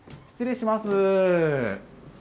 失礼します。